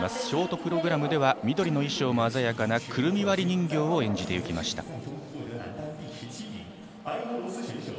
ショートプログラムでは緑の衣装も鮮やかな「くるみ割り人形」を演じていきました。